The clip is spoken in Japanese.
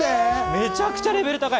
めちゃくちゃレベルが高い。